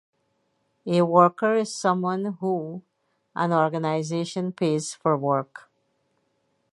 A worker is someone who an organization pays for work.